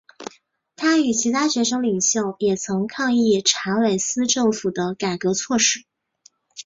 他与其他学生领袖也曾抗议查韦斯政府的改革措施。